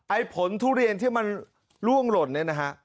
ผลทุเรียนที่มันล่วงหล่นเนี่ยนะฮะ